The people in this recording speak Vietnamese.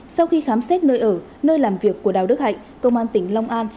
sau khi khám xét nơi ở nơi làm việc của đào đức hạnh công an tỉnh long an